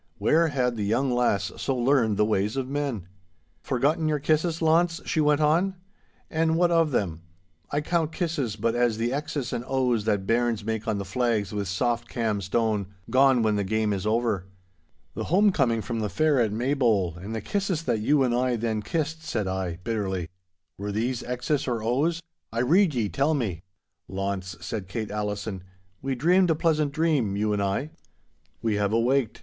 Where had the young lass so learned the ways of men? 'Forgotten your kisses, Launce?' she went on. 'And what of them? I count kisses but as the X's and O's that bairns make on the flags with soft cam stone—gone when the game is over.' 'The home coming from the fair at Maybole and the kisses that you and I then kissed,' said I, bitterly, 'were these X's or O's? I rede ye tell me!' 'Launce,' said Kate Allison, 'we dreamed a pleasant dream, you and I. We have awaked.